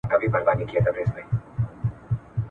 ژوند لکه لمبه ده بقا نه لري.